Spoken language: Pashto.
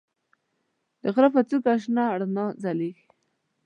د غره په څوکه کې شنه رڼا ځلېږي.